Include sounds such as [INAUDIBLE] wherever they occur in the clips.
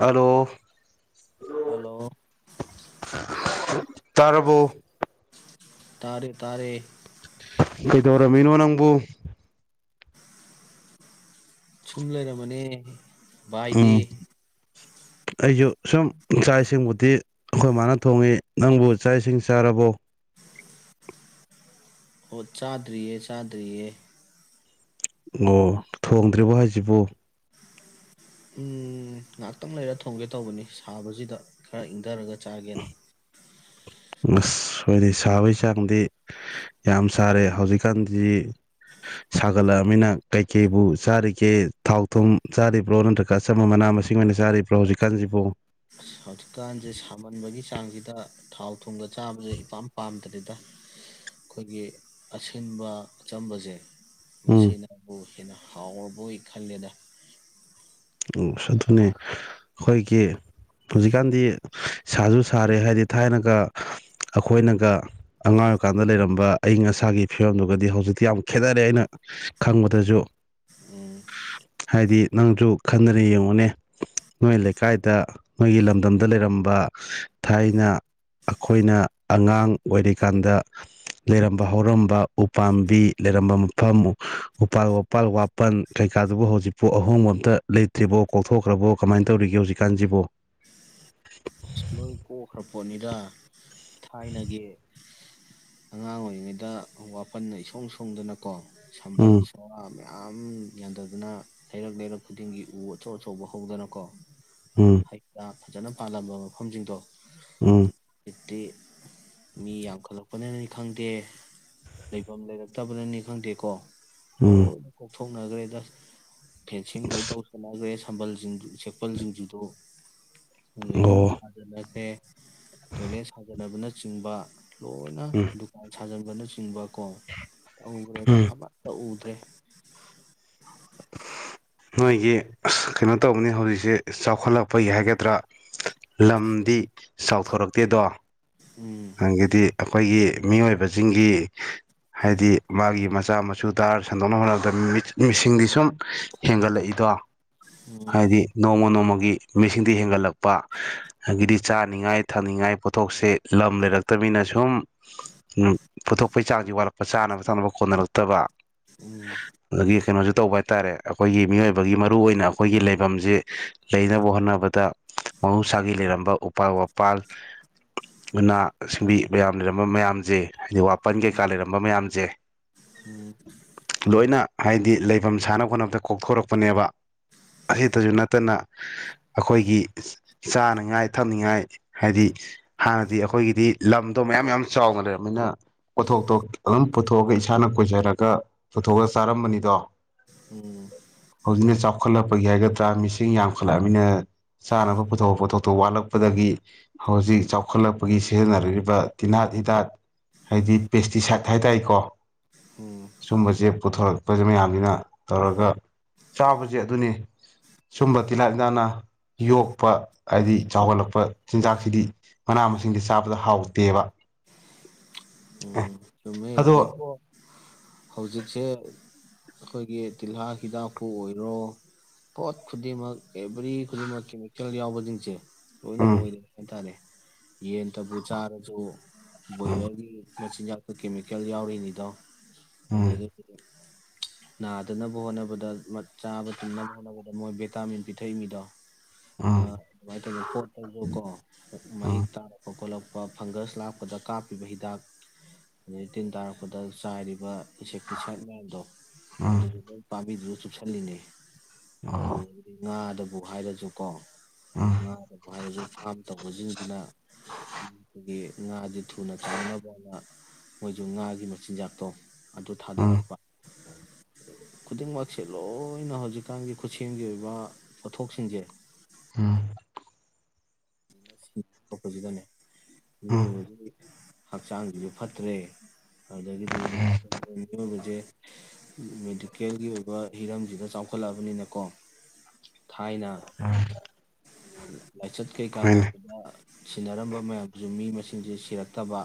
Hello hello ꯇꯔꯕꯣ ꯇꯥꯔꯦ ꯇꯥꯔꯦ ꯀꯩꯗꯧꯔꯃꯤꯅꯣ ꯅꯪꯕꯨ ꯁꯨꯝ ꯂꯩꯔꯃꯅꯦ ꯎꯝ ꯑꯩꯁꯨ ꯁꯨꯝ ꯆꯥꯛ ꯏꯁꯤꯡꯕꯨꯗꯤ ꯑꯩꯈꯣꯏ ꯃꯥꯅ ꯊꯣꯡꯉꯤ ꯅꯪꯕꯨ ꯆꯥꯛ ꯏꯁꯤꯡ ꯆꯥꯔꯕꯣ ꯑꯣ ꯆꯥꯗ꯭ꯔꯤꯌꯦ ꯆꯥꯗ꯭ꯔꯤꯌꯦ ꯑꯣ ꯊꯣꯡꯗ꯭ꯔꯤꯕꯣ ꯍꯥꯏꯁꯤꯕꯨ ꯎꯝ ꯉꯥꯏꯍꯥꯛꯇꯪ ꯂꯩꯔ ꯊꯣꯡꯒꯦ ꯇꯧꯕꯅꯤ ꯁꯥꯕꯁꯤꯗ ꯈꯔ ꯏꯪꯊꯔꯒ ꯆꯥꯒꯦꯅ ꯑꯁ ꯍꯥꯏꯗꯤ ꯁꯥꯕꯒꯤ ꯆꯥꯡꯗꯤ ꯌꯥꯝ ꯁꯥꯔꯦ ꯍꯧꯖꯤꯛꯀꯥꯟꯗꯤ ꯁꯥꯒꯠꯂꯛꯑꯃꯤꯅ ꯀꯩꯀꯩꯕꯨ ꯆꯥꯔꯤꯒꯦ ꯊꯥꯎ ꯊꯨꯝ ꯆꯥꯔꯤꯕ꯭ꯔꯣ ꯅꯠꯇ꯭ꯔꯒ ꯑꯆꯝꯕ ꯃꯅꯥ ꯃꯁꯤꯡ ꯑꯣꯏꯅ ꯆꯥꯔꯤꯕ꯭ꯔꯣ ꯍꯧꯖꯤꯛꯀꯥꯟꯁꯤꯕꯨ ꯑꯁ ꯍꯧꯖꯤꯛꯀꯥꯟꯁꯦ ꯁꯥꯃꯟꯕꯒꯤ ꯆꯥꯡꯁꯤꯗ ꯊꯥꯎ ꯊꯨꯝꯒ ꯆꯥꯕꯁꯦ ꯏꯄꯥꯝ ꯄꯥꯝꯗꯔꯤꯦꯗ ꯑꯩꯈꯣꯏꯒꯤ ꯑꯁꯤꯟꯕ ꯑꯆꯝꯕꯁꯦ ꯎꯝ ꯃꯁꯤꯅꯦꯕꯨ ꯍꯦꯟꯅ ꯍꯥꯎꯔꯕꯣꯏ ꯈꯜꯂꯦꯗ ꯑꯣ ꯑꯗꯨꯅꯤ ꯑꯩꯈꯣꯏꯒꯤ ꯍꯧꯖꯤꯛꯀꯥꯟꯗꯤ ꯁꯥꯁꯨ ꯁꯥꯔꯦ ꯍꯥꯏꯗꯤ ꯊꯥꯏꯅꯒ ꯑꯩꯈꯣꯏꯅꯒ ꯑꯉꯥꯡ ꯑꯣꯏꯀꯥꯟꯗ ꯂꯩꯔꯝꯕ ꯑꯏꯪ ꯑꯁꯥꯒꯤ ꯐꯤꯕꯝꯗꯨꯒꯗꯤ ꯍꯧꯖꯤꯛꯇꯤ ꯌꯥꯝ ꯈꯦꯠꯅꯔꯦ ꯑꯩꯅ ꯈꯪꯕꯗꯁꯨ ꯎꯝ ꯍꯥꯏꯗꯤ ꯅꯪꯁꯨ ꯈꯟꯗꯅ ꯌꯦꯡꯉꯨꯅꯦ ꯅꯣꯏ ꯂꯩꯀꯥꯏꯗ ꯅꯣꯏꯒꯤ ꯂꯝꯗꯝꯗ ꯂꯩꯔꯝꯕ ꯊꯥꯏꯅ ꯑꯩꯈꯣꯏꯅ ꯑꯉꯥꯡ ꯑꯣꯏꯔꯤꯀꯥꯟꯗ ꯂꯩꯔꯝꯕ ꯍꯧꯔꯝꯕ ꯎꯄꯥꯝꯕꯤ ꯂꯩꯔꯝꯕ ꯃꯐꯝ ꯎꯄꯥꯜ ꯋꯥꯄꯥꯜ ꯋꯥꯄꯜ ꯀꯩꯀꯥꯗꯨꯕꯨ ꯍꯧꯖꯤꯛꯄꯨ ꯑꯍꯣꯡꯕ ꯑꯝꯇ ꯂꯩꯇ꯭ꯔꯤꯕꯣ ꯀꯣꯛꯊꯣꯛꯈ꯭ꯔꯕꯣ ꯀꯃꯥꯏꯅ ꯇꯧꯔꯤꯒꯦ ꯍꯧꯖꯤꯛꯀꯥꯟꯁꯤꯕꯣ ꯑꯁ ꯂꯣꯏ ꯀꯣꯛꯈ꯭ꯔ ꯄꯣꯠꯅꯤꯗ ꯊꯥꯏꯅꯒꯤ ꯑꯉꯥꯡ ꯑꯣꯏꯔꯤꯉꯩꯗ ꯋꯥꯄꯜ ꯏꯁꯣꯡ ꯁꯣꯡꯗꯅꯀꯣ ꯎꯝ ꯁꯕꯥꯜꯁ ꯌꯥꯝ ꯌꯥꯟꯊꯗꯅ ꯂꯩꯔꯛ ꯂꯩꯔꯛ ꯈꯨꯗꯤꯡꯒꯤ ꯎ ꯑꯆꯧ ꯑꯆꯧꯕ ꯍꯧꯗꯅꯀꯣ ꯎꯝ ꯍꯥꯏꯀ ꯐꯖꯅ ꯄꯥꯜꯂꯝꯕ ꯃꯐꯝꯁꯤꯡꯗꯣ ꯎꯝ ꯑꯗꯤ ꯃꯤ ꯌꯥꯝꯈꯠꯂꯛꯄꯅꯅꯤ ꯈꯪꯗꯦ ꯂꯩꯐꯝ ꯂꯩꯔꯛꯇꯕꯅꯅꯤ ꯈꯪꯗꯦꯀꯣ ꯑꯣ ꯎꯝ ꯍꯧꯣꯡꯅꯈ꯭ꯔꯦꯗ ꯐꯦꯟꯁꯤꯡ ꯂꯣꯏꯅ ꯇꯧ ꯆꯠꯂꯈ꯭ꯔꯦ ꯊꯝꯕꯜꯁꯤꯡꯗꯨ ꯁꯦꯛꯄꯜ ꯁꯤꯡꯖꯗꯣ ꯑꯗ ꯌꯨꯝ ꯑꯣ ꯁꯥꯖꯅ ꯇꯣꯏꯂꯦꯠ ꯁꯥꯖꯅꯕꯅꯆꯤꯡꯕ ꯂꯣꯏꯅ ꯎꯝ ꯗꯨꯀꯥꯟ ꯊꯥꯖꯟꯕꯅꯆꯤꯡꯕ ꯣ ꯎꯔꯦꯗ ꯎꯝ ꯑꯃ ꯇ ꯎꯗ꯭ꯔꯦ ꯅꯣꯏꯒꯤ ꯀꯩꯅꯣ ꯇꯧꯕꯅꯤ ꯍꯧꯖꯤꯛꯁꯦ ꯆꯥꯎꯈꯠꯂꯛꯄꯒꯤ ꯍꯥꯏꯒꯗ꯭ꯔꯥ ꯂꯝꯗꯤ ꯆꯥꯎꯊꯣꯔꯛꯇꯦꯗꯣ ꯎꯝ ꯑꯪꯗꯤ ꯑꯩꯈꯣꯏꯒꯤ ꯃꯤꯑꯣꯏꯕꯁꯤꯡꯒꯤ ꯍꯥꯏꯗꯤ ꯃꯥꯒꯤ ꯃꯆꯥ ꯃꯁꯨ ꯇꯔ ꯁꯟꯗꯣꯛꯅꯕ ꯍꯣꯠꯅꯕꯗ ꯃꯤꯁꯤꯡꯗꯤ ꯁꯨꯝ ꯍꯦꯟꯒꯠꯂꯛꯏꯗꯣ ꯎꯝ ꯍꯥꯏꯗꯤ ꯅꯣꯡꯃ ꯅꯣꯡꯃꯒꯤ ꯃꯤꯁꯤꯡꯗꯤ ꯍꯦꯟꯒꯠꯂꯛꯄ ꯑꯗꯒꯤꯗꯤ ꯆꯥꯅꯤꯡꯉꯥꯏ ꯊꯛꯅꯤꯡꯉꯥꯏ ꯄꯣꯠꯊꯣꯛꯁꯦ ꯂꯝ ꯂꯩꯔꯛꯇꯕꯅꯤꯅ ꯁꯨꯝ ꯄꯨꯊꯣꯛꯄꯒꯤ ꯆꯥꯡꯁꯤ ꯋꯥꯠꯂꯛꯄ ꯆꯥꯅꯕ ꯊꯛꯅꯕ ꯈꯣꯠꯅꯔꯛꯇꯕ ꯎꯝ ꯑꯗꯒꯤ ꯀꯩꯅꯣꯁꯨ ꯇꯧꯕ ꯍꯥꯏꯇꯥꯔꯦ ꯑꯩꯈꯣꯏꯒꯤ ꯃꯤꯑꯣꯏꯕꯒꯤ ꯃꯔꯨꯑꯣꯏ ꯑꯣꯏꯅ ꯑꯩꯈꯣꯏꯒꯤ ꯂꯩꯐꯝꯁꯦ ꯂꯩꯅꯕ ꯍꯣꯠꯅꯕꯗ ꯃꯍꯧꯁꯥꯒꯤ ꯂꯩꯔꯝꯕ ꯎꯄꯥꯜ ꯋꯥꯄꯥꯜ ꯎꯅꯥ ꯁꯤꯡꯕꯤ ꯃꯌꯥꯝ ꯂꯩꯔꯝꯕ ꯃꯌꯥꯝꯁꯦ ꯍꯥꯏꯗꯤ ꯋꯥꯄꯟ ꯀꯩꯀꯥ ꯂꯩꯔꯝꯕ ꯃꯌꯥꯝꯁꯦ ꯎꯝ ꯂꯣꯏꯅ ꯍꯥꯏꯗꯤ ꯂꯩꯐꯝ ꯁꯥꯟꯅ ꯈꯣꯠꯅꯕꯗ ꯀꯣꯛꯊꯣꯔꯛꯄꯅꯦꯕ ꯑꯁꯤꯇꯁꯨ ꯅꯠꯇꯅ ꯑꯩꯈꯣꯏꯒꯤ ꯆꯥꯅꯉꯥꯏ ꯊꯛꯅꯤꯡꯉꯥꯏ ꯍꯥꯏꯗꯤ ꯍꯥꯟꯅꯗꯤ ꯑꯩꯈꯣꯏꯒꯤꯗꯤ ꯂꯝꯗꯣ ꯃꯌꯥꯝ ꯌꯥꯝ ꯆꯥꯎꯅ ꯂꯩꯔꯕꯅꯤꯅ ꯄꯣꯊꯣꯛꯇꯣꯛ ꯑꯗꯨꯝ ꯄꯨꯊꯣꯛꯑꯒ ꯏꯁꯥꯅ ꯀꯣꯏꯖꯔꯒ ꯄꯨꯊꯣꯛꯑ ꯆꯥꯔꯝꯕꯅꯤꯗꯣ ꯎꯝ ꯍꯧꯖꯤꯛꯅ ꯆꯥꯎꯈꯠꯂꯛꯄꯒꯤ ꯍꯥꯏꯒꯗ꯭ꯔꯥ ꯃꯤꯁꯤꯡ ꯌꯥꯝꯈꯠꯂꯛꯑꯅꯤꯅ ꯆꯥꯅꯕ ꯄꯨꯊꯣꯛ ꯄꯣꯊꯣꯛꯇꯣ ꯋꯥꯠꯂꯛꯄꯗꯒꯤ ꯍꯧꯖꯤꯛ ꯆꯥꯎ ꯆꯥꯎꯈꯠꯂꯛꯄꯒꯤ ꯁꯤꯖꯤꯟꯅꯔꯛꯏꯕ ꯇꯤꯟꯍꯥꯠ ꯍꯤꯗꯠ ꯍꯥꯏꯗꯤ ꯄꯦꯁꯇꯤꯁꯥꯏꯠ ꯍꯥꯏ ꯇꯔꯀꯣ ꯎꯝ ꯁꯨꯝꯕꯁꯦ ꯄꯨꯊꯣꯔꯛꯄꯁꯦ ꯃꯌꯥꯝꯅꯤꯅ ꯇꯧꯔꯒ ꯆꯥꯕꯁꯦ ꯑꯗꯨꯅꯤ ꯁꯨꯝꯕ ꯇꯤꯜꯍꯥ ꯏꯤꯟꯅꯥꯅ ꯌꯣꯛꯄ ꯍꯥꯏꯗꯤ ꯆꯥꯎꯈꯠꯂꯛꯄ ꯆꯤꯟꯖꯥꯛꯁꯤꯗꯤ ꯃꯅꯥ ꯃꯁꯤꯡꯗꯤ ꯆꯥꯕꯗ ꯍꯥꯎꯇꯦꯕ ꯎꯝ ꯆꯃꯦ ꯑꯗꯣ ꯍꯧꯖꯤꯛꯄꯣ ꯍꯧꯖꯤꯛꯁꯦ ꯑꯩꯈꯣꯏꯒꯤ ꯇꯤꯜꯍꯥ ꯍꯤꯗꯥꯛꯄꯨ ꯑꯣꯏꯔꯣ ꯄꯣꯠ ꯈꯨꯗꯤꯡꯃꯛ ꯑꯦꯕ꯭ꯔꯤ ꯈꯨꯗꯤꯡꯃꯛ ꯀꯦꯃꯤꯀꯦꯜ ꯌꯥꯎꯕꯁꯤꯡꯁꯦ ꯂꯣꯏꯅ ꯎꯝ ꯑꯣꯏꯔꯦ ꯍꯥꯏꯇꯥꯔꯦ ꯌꯦꯟꯇꯕꯨ ꯆꯔꯁꯨ ꯎꯝ ꯕꯣꯏꯂꯔꯒꯤ ꯃꯆꯤꯟꯖꯥꯛꯇ ꯀꯦꯃꯤꯀꯦꯜ ꯌꯥꯎꯔꯤꯅꯤꯗꯣ ꯎꯝ ꯑꯗꯒꯤ ꯅꯥꯗꯅꯕ ꯍꯣꯠꯅꯕꯗ ꯆꯥꯕ ꯇꯨꯝꯅꯕ ꯍꯣꯠꯅꯕꯗ ꯃꯣꯏ ꯚꯤꯇꯥꯃꯤꯟ ꯄꯤꯊꯛꯏ ꯃꯤꯗꯣ ꯑ ꯎꯝ ꯑꯗꯨꯃꯥꯏꯅ ꯇꯧꯅ ꯄꯣꯠꯇꯁꯨ ꯀꯣ ꯃꯍꯤꯛ ꯎꯝ ꯇꯥꯔꯛꯄ ꯈꯣꯠꯂꯛꯄ ꯐꯪꯒꯁ ꯂꯥꯛꯄꯗ ꯀꯥꯞꯄꯤꯕ ꯍꯤꯗꯥꯛ ꯑꯗꯩ ꯇꯤꯟ ꯇꯥꯔꯛꯄꯗ ꯆꯥꯏꯔꯤꯕ ꯄꯤꯁꯦꯛꯀꯤꯤꯁꯠ ꯃꯌꯥꯝꯗꯣ ꯎꯝ ꯑꯗꯨꯁꯨ ꯂꯣꯏ ꯄꯥꯝꯕꯤꯗ꯭ꯔꯁꯨ ꯆꯨꯞꯁꯂꯤꯅꯦ ꯎꯝ ꯑꯗꯒꯤ ꯑꯗꯨꯕꯨ ꯍꯥꯏꯔꯁꯨ ꯀꯣ ꯎꯝ ꯉꯥꯗꯕꯨ ꯍꯥꯏꯔꯁꯨ ꯐꯥꯝ ꯇꯧꯕꯁꯤꯡ ꯑꯗꯨꯅ ꯑꯩꯈꯣꯏꯒꯤ ꯉꯥꯁꯦ ꯊꯨꯅ ꯇꯥꯎꯅꯕꯅ ꯃꯣꯏꯁꯨ ꯉꯥꯒꯤ ꯃꯆꯤꯟꯖꯥꯛꯇꯣ ꯑꯗꯨ ꯎꯝ ꯊꯥꯗꯔꯛꯄ ꯈꯨꯗꯤꯡꯃꯛꯁꯦ ꯂꯣꯏꯅ ꯍꯧꯖꯤꯛꯀꯥꯟꯒꯤ ꯈꯨꯠꯁꯦꯝꯒꯤ ꯑꯣꯏꯕ ꯄꯣꯠꯊꯣꯛꯁꯤꯡꯁꯦ ꯎꯝ ꯑꯣꯄꯣꯖꯤꯠ ꯑꯅꯦ ꯎꯝ ꯍꯛꯆꯥꯡꯁꯤꯁꯨ ꯐꯠꯇ꯭ꯔꯦ ꯑꯗꯨꯗꯒꯤꯗꯤ ꯃꯤꯑꯣꯏꯕꯁꯦ ꯃꯦꯗꯤꯀꯦꯜꯒꯤ ꯑꯣꯏꯕ ꯍꯤꯔꯝꯁꯤꯗ ꯆꯥꯎꯈꯠꯂꯛꯑꯕꯅꯤꯅꯀꯣ ꯊꯥꯏꯅ ꯂꯥꯏꯆꯠ ꯀꯩ ꯀꯥ ꯍꯣꯏꯅꯦ ꯁꯤꯟꯅꯔꯝꯕ ꯃꯌꯥꯝꯁꯨ ꯃꯤ ꯃꯁꯤꯡꯁꯦ ꯁꯤꯔꯛꯇꯕ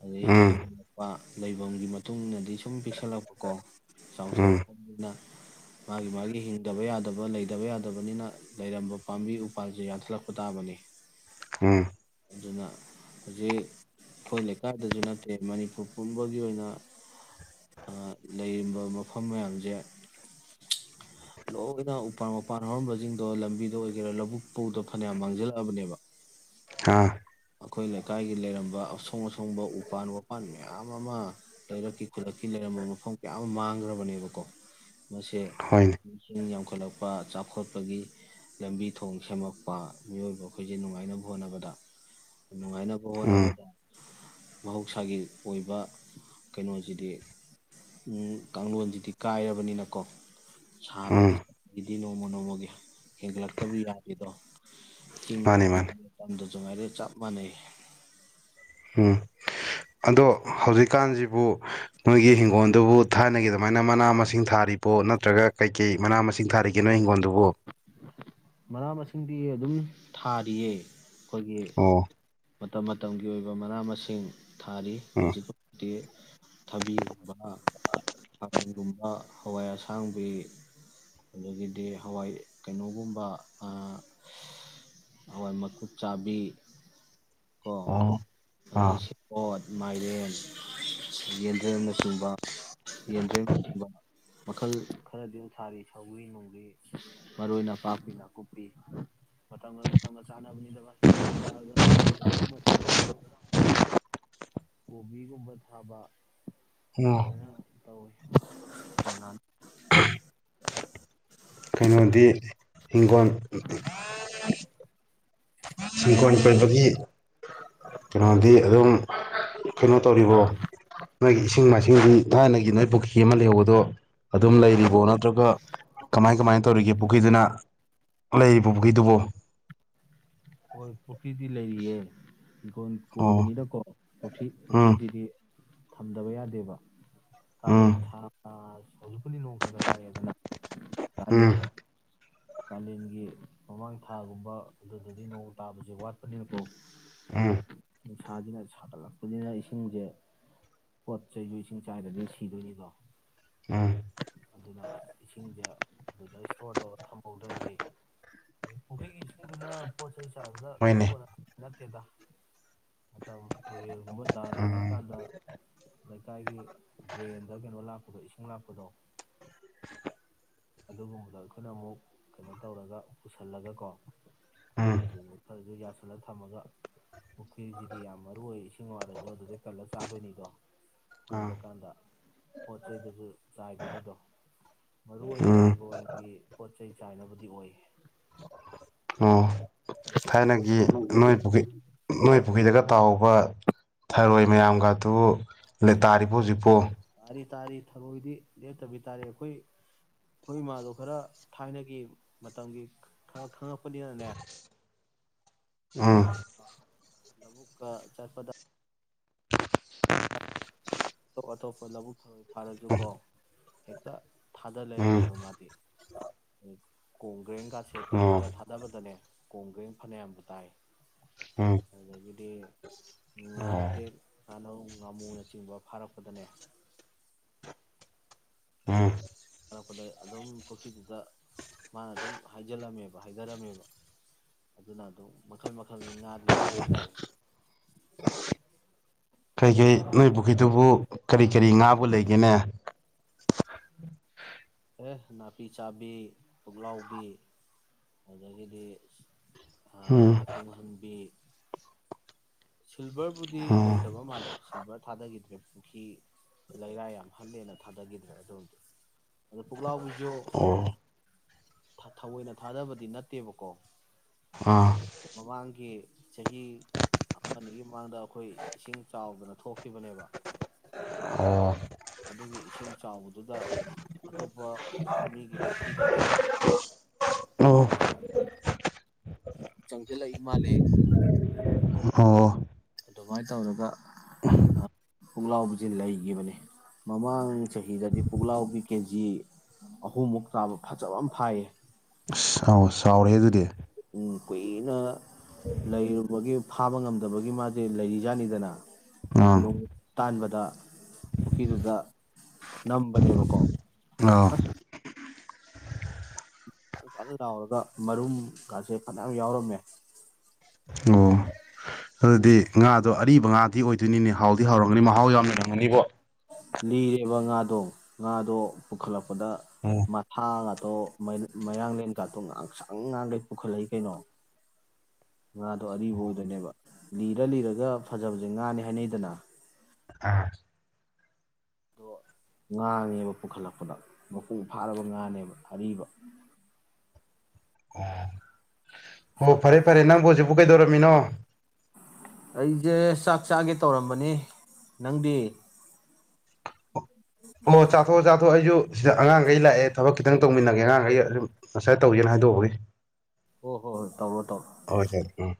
ꯑꯗꯗꯒꯤ ꯎꯝ ꯍꯦꯟꯒꯠꯂꯛꯄ ꯂꯩꯐꯝꯒꯤ ꯃꯇꯨꯡ ꯏꯟꯅꯗꯤ ꯁꯨꯝ ꯄꯤꯛꯁꯜꯂꯛꯄꯀꯣ ꯎꯝ ꯆꯥꯎꯊꯣꯔꯛꯄꯅꯤꯅ ꯃꯥꯒꯤ ꯃꯥꯒꯤ ꯍꯤꯡꯗꯕ ꯌꯥꯗꯕ ꯂꯩꯇꯕ ꯌꯥꯗꯕꯅꯤꯅ ꯂꯩꯔꯝꯕ ꯄꯥꯝꯕꯤ ꯎꯄꯥꯜꯁꯦ ꯌꯥꯟꯊꯠꯂꯛꯄ ꯇꯥꯕꯅꯤ ꯎꯝ ꯑꯗꯨꯅ ꯍꯧꯖꯤꯛ ꯑꯩꯈꯣꯏ ꯂꯩꯀꯥꯏꯗꯁꯨ ꯅꯠꯇꯦ ꯃꯅꯤꯄꯨꯔ ꯄꯨꯝꯕꯒꯤ ꯑꯣꯏꯅ ꯂꯩꯔꯤꯕ ꯃꯐꯝ ꯃꯌꯥꯝꯁꯦ ꯂꯣꯏꯅ ꯎꯄꯥꯟ ꯃꯄꯥꯟ ꯍꯧꯔꯝꯕꯁꯤꯡꯗꯣ ꯂꯝꯕꯤꯗ ꯑꯣꯏꯒꯦꯔꯥ ꯂꯧꯕꯨꯛ ꯐꯥꯎꯗ ꯐꯅꯌꯥꯝ ꯃꯥꯡꯁꯤꯜꯂꯛꯑꯕꯅꯦꯕ ꯑꯥ ꯑꯩꯈꯣꯏ ꯂꯩꯀꯥꯏꯒꯤ ꯂꯩꯔꯝꯕ ꯑꯁꯣꯡ ꯑꯁꯣꯡꯕ ꯎꯄꯥꯟ ꯋꯥꯄꯥꯟ ꯃꯌꯥꯝ ꯑꯃ ꯂꯩꯔꯛꯀꯤ ꯈꯨꯂꯛꯀꯤ ꯂꯩꯔꯝꯕ ꯃꯐꯝ ꯀꯌꯥ ꯑꯃ ꯃꯥꯡꯈ꯭ꯔꯕꯅꯦꯕꯀꯣ ꯃꯁꯦ ꯍꯣꯏꯅꯦ ꯏꯁꯤꯡ ꯌꯥꯝꯈꯠꯂꯛꯄ ꯆꯥꯎꯈꯠꯄꯒꯤ ꯂꯝꯕꯤ ꯊꯣꯡ ꯁꯦꯝꯃꯛꯄ ꯃꯤꯑꯣꯏꯕ ꯑꯩꯈꯣꯏꯁꯦ ꯅꯨꯡꯉꯥꯏꯅꯕ ꯍꯣꯠꯅꯕꯗ ꯅꯨꯡꯉꯥꯏꯅꯕ ꯎꯝ ꯍꯣꯠꯅꯕꯗ ꯃꯍꯧꯁꯥꯒꯤ ꯑꯣꯏꯕ ꯀꯩꯅꯣꯁꯤꯗꯤ ꯀꯥꯡꯂꯣꯟꯁꯤꯗꯤ ꯀꯥꯏꯔꯕꯅꯤꯅꯀꯣ ꯎꯝ ꯁꯥꯕꯒꯤ ꯆꯠꯄꯒꯤꯗꯤ ꯅꯣꯡꯃ ꯅꯣꯡꯃꯒꯤ ꯍꯦꯟꯒꯠꯂꯛꯇꯕ ꯌꯥꯗꯦꯗꯣ ꯃꯥꯅꯤ ꯆꯤꯡꯗꯁꯨ ꯃꯥꯅꯤ ꯉꯥꯏꯔꯦ ꯇꯝꯗꯁꯨ ꯉꯥꯏꯔꯦ ꯑꯗꯨꯏ ꯍꯥꯏꯔꯗꯤ ꯆꯞ ꯃꯥꯟꯅꯩ ꯎꯝ ꯑꯗꯣ ꯍꯧꯖꯤꯛꯀꯥꯟꯁꯤꯕꯨ ꯃꯣꯏꯒꯤ ꯍꯤꯡꯈꯣꯜꯗꯨꯕꯨ ꯊꯥꯏꯅꯒꯤ ꯑꯗꯨꯃꯥꯏꯅ ꯃꯅꯥ ꯃꯁꯤꯡ ꯊꯥꯔꯤꯕꯣ ꯅꯠꯇ꯭ꯔꯒ ꯀꯩꯀꯩ ꯃꯅꯥ ꯃꯁꯤꯡ ꯊꯥꯔꯤꯒꯦꯅꯣ ꯍꯤꯡꯒꯣꯜꯗꯨꯕꯨ ꯃꯅꯥ ꯃꯁꯤꯡꯗꯤ ꯑꯗꯨꯝ ꯊꯥꯔꯤꯌꯦ ꯑꯩꯈꯣꯏꯒꯤ ꯑꯣ ꯃꯇꯝ ꯃꯇꯝꯒꯤ ꯑꯣꯏꯕ ꯑꯣꯏꯕ ꯃꯅꯥ ꯃꯁꯤꯡ ꯊꯥꯔꯤ ꯎꯝ ꯍꯧꯖꯤꯛꯐꯥꯎꯗꯤ ꯊꯕꯤꯒꯨꯝꯕ ꯈꯥꯃꯟꯒꯨꯝꯕ ꯍꯋꯥꯏ ꯑꯁꯥꯡꯕꯤ ꯑꯗꯒꯤꯗꯤ ꯍꯋꯥꯏ ꯀꯩꯅꯣꯒꯨꯝꯕ ꯑꯥ ꯍꯋꯥꯏ ꯃꯀꯨ ꯆꯥꯕꯤ ꯀꯣ ꯑꯣ ꯑꯗꯩ ꯑꯥ ꯁꯦꯕꯣꯠ ꯃꯥꯏꯔꯦꯟ ꯌꯦꯟꯗ꯭ꯔꯦꯝꯅꯆꯤꯡꯕ ꯌꯦꯟꯗ꯭ꯔꯦꯝꯅꯆꯤꯡꯕ ꯃꯈꯜ ꯈꯔꯗꯤ ꯑꯗꯨ ꯊꯔꯤ ꯁꯧꯏꯤ ꯅꯨꯡꯂꯤ ꯃꯔꯣꯏ ꯅꯥꯄꯥꯛꯄꯤ ꯅꯥꯀꯨꯞꯄꯤ ꯃꯇꯝꯒ ꯃꯇꯝꯒ ꯆꯥꯅꯕꯅꯤꯗ ꯑꯁ ꯅꯤꯡꯊꯝꯊꯥꯔꯒ ꯌꯂꯛꯄ ꯃꯇꯝꯗꯅ ꯑꯃꯨꯛ ꯀꯣꯕꯤꯒꯨꯝꯕ ꯊꯥꯕ ꯑꯣ ꯑꯗꯨꯃꯥꯏꯅ ꯇꯧꯋ ꯗꯣꯅ ꯀꯩꯅꯣꯗꯤ ꯍꯤꯡꯈꯣꯜ [UNINTELLIGIBLE] ꯤꯡꯀꯣꯏ ꯀꯣꯏꯕꯒꯤ ꯀꯩꯅꯣꯗꯤ ꯑꯗꯨꯝ ꯀꯩꯅꯣ ꯇꯧꯔꯤꯕꯣ ꯅꯣꯏꯒꯤ ꯏꯁꯤꯡ ꯃꯥꯏꯁꯤꯡꯗꯤ ꯊꯥꯏꯅꯒꯤ ꯅꯣꯏ ꯄꯨꯈ꯭ꯔꯤ ꯑꯃ ꯂꯩꯍꯧꯕꯗꯣ ꯑꯗꯨꯝ ꯂꯩꯔꯤꯕꯣ ꯅꯠꯇ꯭ꯔꯒ ꯀꯃꯥꯏ ꯀꯃꯥꯏꯅ ꯇꯧꯔꯤꯒꯦ ꯄꯨꯈ꯭ꯔꯤꯗꯨꯅ ꯂꯩꯔꯤꯕ ꯄꯨꯈ꯭ꯔꯤꯗꯨꯕꯣ ꯑꯩꯈꯣꯏ ꯄꯨꯊ꯭ꯗꯤ ꯂꯩꯔꯤꯌꯦ ꯍꯤꯡꯒꯣꯟꯜ ꯑꯣ ꯀꯣꯏꯕꯅꯤꯅꯀꯣ ꯄꯨ꯭ꯔꯤ ꯎꯝ ꯄꯨꯈ꯭ꯔꯤꯁꯤꯗꯤ ꯊꯝꯗꯕ ꯌꯥꯗꯦꯕ ꯎꯝ ꯀꯂꯦꯟ ꯊꯥꯖ ꯂꯤ ꯅꯣꯡ ꯈ꯭ꯔꯒ ꯇꯥꯔꯦ ꯑꯗꯨꯅ ꯇ ꯎꯝ ꯀꯥꯂꯦꯟꯒꯤ ꯃꯃꯥꯡ ꯊꯥꯒꯨꯝꯕ ꯑꯗꯨ ꯑꯗꯨꯗꯤ ꯅꯣꯡ ꯇꯥꯕꯁꯦ ꯋꯥꯠꯄꯅꯦꯕꯀꯣ ꯑ ꯅꯨꯡꯁꯥꯁꯤꯅ ꯁꯥꯒꯠꯂꯛꯄꯅꯤꯅ ꯏꯁꯤꯡꯁꯦ ꯄꯣꯠ ꯆꯩꯁꯨ ꯏꯁꯤꯡ ꯆꯥꯏꯔꯗꯤ ꯁꯤꯗꯣꯏꯅꯤꯗꯣ ꯎꯝ ꯑꯗꯨꯅ ꯏꯁꯤꯡꯁꯦ ꯑꯗꯨꯖ ꯏꯁꯇꯣꯔ ꯇꯧꯔ ꯊꯝꯍꯧꯗ꯭ꯔꯗꯤ ꯑꯗꯨ ꯄꯨꯈ꯭ꯔꯤꯒꯤ ꯏꯁꯤꯡꯗꯨꯅ ꯄꯣꯠ ꯑꯩ ꯆꯥꯕꯗ ꯍꯣꯏꯅꯦ ꯀꯣꯟꯂ ꯅꯠꯇꯦꯗ ꯑ ꯇꯨꯏ ꯒꯨꯝꯕ ꯗꯥꯟ ꯎꯝ ꯊꯦꯡꯉꯀꯥꯟꯗ ꯂꯩꯀꯥꯏꯒꯤ ꯗ꯭ꯔꯦꯟꯗ ꯀꯩꯅꯣ ꯂꯥꯛꯄꯗ ꯏꯁꯤꯡ ꯂꯥꯛ ꯄꯗꯣ ꯑꯗꯨꯒꯨꯝꯕꯗ ꯑꯈꯣꯏꯅ ꯑꯃꯨꯛ ꯀꯩꯅꯣ ꯇꯧꯔꯒ ꯄꯨꯁꯜꯂꯒꯀꯣ ꯎꯝ ꯑꯗꯨꯅ ꯈꯔꯖꯨ ꯌꯥꯁꯜꯂ ꯊꯝꯃꯒ ꯄꯨꯈ꯭ꯔꯤꯖꯤꯗꯤ ꯌꯥꯝ ꯃꯔꯨ ꯑꯣꯏ ꯏꯁꯤꯡ ꯋꯥꯔꯖꯨ ꯑꯗꯨꯗꯩ ꯀꯜꯂ ꯆꯥꯗꯣꯏꯅꯤꯗꯣ, ꯑ ꯐꯪꯗ꯭ꯔꯀꯥꯟꯗ ꯄꯣꯠ ꯆꯩꯩꯗꯖꯨ ꯆꯥꯏꯗꯣꯏꯅꯤꯗꯣ꯫ ꯃꯔꯨ ꯑꯣꯏꯅ ꯎꯝ ꯍꯤꯡꯒꯣꯜꯒꯤ ꯄꯣꯠ ꯆꯩ ꯆꯥꯏꯅꯕꯗꯤ ꯑꯣꯏ꯫ ꯑꯣ ꯊꯥꯏꯅꯒꯤ ꯅꯣꯏ ꯄꯨꯈꯤ ꯅꯣꯏ ꯄꯨꯈꯤꯗꯒ ꯇꯥꯎꯕ ꯊꯔꯣꯏ ꯃꯌꯥꯝꯒꯥꯗꯨ ꯂꯦ ꯇꯥꯔꯤꯕꯣ ꯍꯨꯖꯤꯛꯄꯣ? ꯔꯤ ꯇꯥꯔꯤ ꯊꯔꯣꯏꯗꯤ ꯂꯦꯞꯇꯕꯤ ꯇꯥꯔꯤ ꯑꯈꯣꯏ ꯑꯈꯣꯏ ꯏꯃꯥꯗꯣ ꯈꯔ ꯊꯥꯏꯅꯒꯤ ꯃꯇꯝꯒꯤ ꯈꯔ ꯈꯪꯉꯛꯄꯅꯤꯅꯅꯦ ꯎꯝ꯫ ꯕꯨꯛꯀ ꯆꯠꯄꯗ ꯑꯇꯣꯞ ꯑꯇꯣꯞꯄ ꯂꯧꯕꯨꯛ ꯐꯛ ꯐꯥꯔꯖꯨꯀꯣ ꯍꯦꯛꯇ ꯊꯥꯗ ꯎꯝ ꯂꯩꯔꯝꯃꯦꯕ ꯃꯥꯗꯤ꯫ ꯀꯣꯡꯒ꯭ꯔꯦꯡꯒꯥꯁꯦ ꯍꯦꯛꯇ ꯑꯣ ꯐꯥꯔ ꯊꯥꯗꯕꯗꯅꯦ ꯀꯣꯡꯒ꯭ꯔꯦꯡ ꯐꯅ꯭ꯌꯥꯝꯕꯨ ꯇꯥꯏ꯫ ꯎꯝ ꯑꯗꯒꯤꯗꯤ ꯑꯣ ꯉꯥꯇꯦꯛ ꯉꯥꯅꯧ ꯉꯥꯃꯨꯅꯆꯤꯡꯕ ꯐꯥꯔꯛꯄꯗꯅꯦ ꯎꯝ ꯐꯥꯔꯛꯄꯗꯩ ꯑꯗꯨꯝ ꯄꯨꯈ꯭ꯔꯤꯗꯨꯗ ꯃꯥꯅ ꯑꯗꯨꯝ ꯍꯥꯏꯖꯜꯂꯝꯃꯦꯕ ꯍꯥꯏꯗꯔꯝꯃꯦꯕ꯫ ꯑꯗꯨꯅ ꯑꯗꯨꯝ ꯃꯈꯜ ꯃꯈꯜꯒꯤ ꯉꯥꯗꯤ ꯂꯩ ꯍꯥꯏꯇꯥꯔꯦ꯫ ꯀꯩꯒꯩ ꯅꯣꯏ ꯄꯨꯈꯤꯗꯨꯕꯨ ꯀꯔꯤ ꯀꯔꯤ ꯉꯥꯕꯨ ꯂꯩꯒꯦꯅꯦ? ꯑꯦ ꯅꯥꯄꯤ ꯆꯥꯕꯤ, ꯄꯨꯛꯂꯥꯎꯕꯤ ꯑꯗꯒꯤꯗꯤ ꯑꯥ ꯎꯝ ꯇꯨꯡꯍꯟꯕꯤ ꯁꯤꯜꯚꯔꯕꯨꯗꯤ ꯎꯝ ꯂꯩꯇ꯭ꯔꯕ ꯃꯥꯜꯂꯦ ꯁꯤꯜꯚꯔ ꯊꯥꯗꯒꯤꯗ꯭ꯔꯦ꯫ [UNINTELLIGIBLE] ꯂꯩꯔꯥꯏ ꯌꯥꯝ ꯍꯜꯂꯦꯅ ꯊꯥꯗꯒꯤꯗ꯭ꯔꯦ ꯑꯗꯨꯝ꯫ ꯑꯗ ꯄꯨꯛꯂꯥꯎꯕꯤ ꯖꯨ ꯑꯣ ꯊꯑꯣꯏꯅ ꯊꯥꯗꯕꯗꯤ ꯅꯠꯇꯦꯕꯀꯣ ꯑꯥ ꯃꯃꯥꯡꯒꯤ ꯆꯍꯤ ꯆꯍꯤ ꯑꯃ ꯑꯅꯤꯒꯤ ꯃꯃꯥꯡꯗ ꯑꯩꯈꯣꯏ ꯏꯁꯤꯡ ꯆꯥꯎꯗꯅ ꯊꯣꯛꯈꯤꯕꯅꯦꯕ ꯑꯣ ꯑꯗꯨꯒꯤ ꯏꯁꯤꯡ ꯆꯥꯎꯕꯗꯨꯗ ꯑꯇꯣꯞꯄ ꯃꯤꯒꯤ ꯄꯨꯈ꯭ꯔꯤꯗꯒꯤ ꯑ ꯑꯣ ꯆꯪꯖꯂ ꯏꯃꯂꯦ ꯑꯣ ꯑꯗꯨꯃꯥꯏꯅ ꯇꯧꯔꯒ ꯄꯨꯛꯂꯥꯎꯁ ꯂꯩꯈꯤꯕꯅꯤ ꯃꯃꯥꯡ ꯆꯍꯤꯗꯗꯤ ꯄꯨꯛꯂꯥꯎꯕꯤ ꯀꯦ ꯖꯤ ꯑꯍꯨꯝꯃꯨꯛ ꯆꯥꯕ ꯐꯖꯕ ꯑꯃ ꯐꯥꯏꯌꯦ ꯑ ꯑꯥꯎ ꯆꯥꯎꯔꯦ ꯑꯗꯨꯗꯤ ꯎꯝ ꯀꯨꯏꯅ ꯂꯩꯔꯨꯕꯒꯤ ꯐꯥꯕ ꯉꯝꯗꯕꯒꯤ ꯃꯥꯗꯤ ꯂꯩꯔꯤꯖꯥꯠꯅꯤꯗꯅ ꯑꯥ [UNINTELLIGIBLE] ꯇꯥꯟꯕꯗ ꯄꯨꯨꯈꯔꯤꯗꯨꯗ ꯅꯝꯕꯅꯦꯕꯀꯣ ꯑ ꯑꯁ ꯀ ꯀꯥꯟ ꯂꯥꯎꯔꯒ ꯃꯔꯨꯝꯒꯥꯁꯦ ꯐꯖꯅ ꯌꯥꯎꯔꯝꯃꯦ ꯑꯣ ꯑꯗꯨꯗꯤ ꯉꯥꯗꯣ ꯑꯔꯤꯕ ꯉꯥꯗꯤ ꯑꯣꯏꯗꯣꯏꯅꯤꯅꯦ ꯍꯥꯎꯗꯤ ꯍꯥꯎꯔꯝꯒꯅꯤ ꯃꯍꯥꯎ ꯌꯥꯝꯅꯔꯝꯉꯅꯤꯕꯣ ꯂꯤꯔꯦꯕ ꯉꯥꯗꯣ ꯉꯥꯗꯣ ꯄꯨꯈꯠꯂꯛꯄ ꯗ ꯑꯣ ꯃꯊꯥ ꯉ ꯑꯗꯣ ꯃꯌꯥꯡꯂꯦꯟ ꯀꯥꯠꯇꯣ ꯉꯥꯡꯁꯪ ꯉꯥꯡꯈꯩ ꯄꯨꯈꯠꯂꯛꯏ ꯀꯩꯅꯣ ꯉꯥꯗꯣ ꯑꯔꯤꯕ ꯑꯣꯏꯗꯣꯏꯅꯦꯕ ꯂꯤꯔ ꯂꯤꯔꯒ ꯐꯖꯕꯁꯦ ꯉꯥꯅꯤ ꯍꯥꯏꯅꯩꯗꯅ ꯑꯥ ꯑꯗꯣ ꯉꯥꯅꯦꯕ ꯄꯨꯈꯠꯂꯛꯄꯗ ꯃꯄꯨꯡ ꯐꯥꯔꯕ ꯉꯥꯅꯦꯕ ꯑꯔꯤꯕ ꯑꯣꯣ ꯐꯔꯦ ꯐꯔꯦ ꯅꯪꯕꯨ ꯍꯧꯖꯤꯛꯕꯨ ꯀꯩꯗꯧꯔꯦ ꯃꯤꯅꯣ ꯑꯩꯁꯦ ꯆꯥꯛ ꯆꯥꯒꯦ ꯇꯧꯔꯝꯕꯅꯤ ꯅꯪꯗꯤ ꯑꯗꯣ ꯑꯩꯁꯨ ꯁꯤꯗ ꯑꯉꯥꯡꯈꯩ ꯂꯥꯛꯑꯦ ꯊꯕꯛ ꯈꯤꯇꯪ ꯇꯧꯃꯤꯟꯅꯒꯦ ꯑꯉꯥꯡꯈꯩ ꯑꯗꯨ ꯉꯁꯥꯏ ꯇꯧꯒꯦꯅ ꯍꯥꯏꯗꯣꯛꯑꯒꯦ ꯍ ꯍꯣ ꯍꯣꯏ ꯇꯧꯕꯣ ꯇꯧꯕꯣ ꯎꯝ